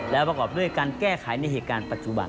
และประกอบด้วยการแก้ไขในเหตุการณ์ปัจจุบัน